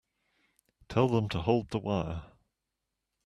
Tell them to hold the wire.